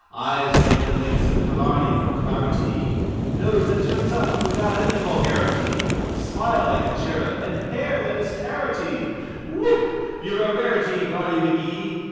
Eyes like the lakes of Killarney for clarity, Nose that turns up without any vulgarity, Smile like a cherub, and hair that is carroty Whoop, you're a rarity, Barney McGee!